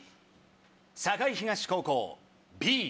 栄東高校「Ｂ」。